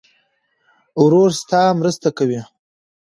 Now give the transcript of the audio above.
ورور ستا مرسته کوي.